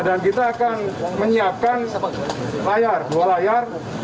dan kita akan menyiapkan dua layar